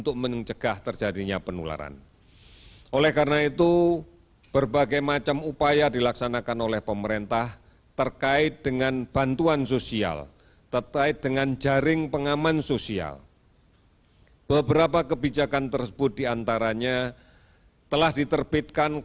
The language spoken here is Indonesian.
kita akan kembali ke gerah bnpb kembali